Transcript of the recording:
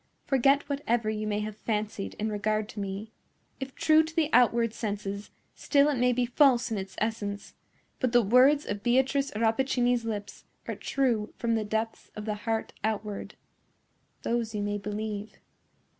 "Forget whatever you may have fancied in regard to me. If true to the outward senses, still it may be false in its essence; but the words of Beatrice Rappaccini's lips are true from the depths of the heart outward. Those you may believe."